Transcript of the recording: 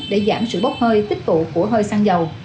để giảm sự bốc hơi tích tụ của hơi xăng dầu